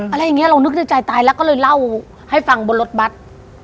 อะไรอย่างนี้เรานึกในใจตายแล้วก็เลยเล่าให้ฟังบนรถบัตร